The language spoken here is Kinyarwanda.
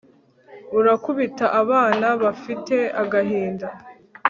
urakubita abana, bafite agahinda